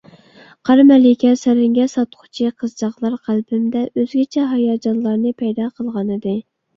قار مەلىكە، سەرەڭگە ساتقۇچى قىزچاقلار قەلبىمدە ئۆزگىچە ھاياجانلارنى پەيدا قىلغانىدى.